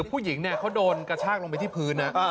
ผู้หญิงเนี่ยเขาโดนกระชวกลงไปที่พื้น